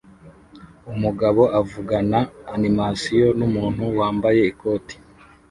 Umugabo avugana animasiyo numuntu wambaye ikoti